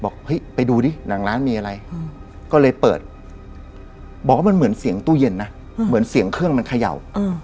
คือเหมือนคนมีองค์นะฮะ